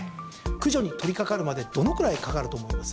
駆除に取りかかるまでどのくらいかかると思います？